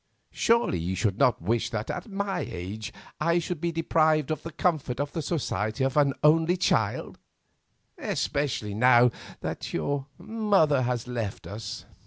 Surely you would not wish at my age that I should be deprived of the comfort of the society of an only child, especially now that your mother has left us?"